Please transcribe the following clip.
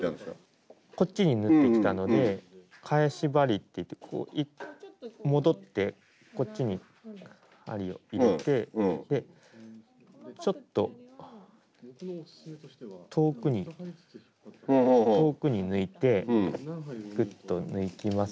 こっちに縫ってきたので返し針っていって戻ってこっちに針を入れてちょっと遠くに遠くに抜いてキュッと抜きます